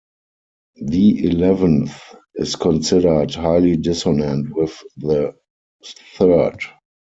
The eleventh is considered highly dissonant with the third.